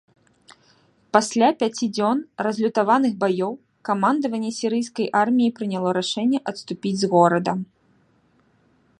Пасля пяці дзён разлютаваных баёў, камандаванне сірыйскай арміі прыняло рашэнне адступіць з горада.